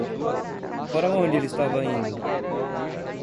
Para onde ele estava indo?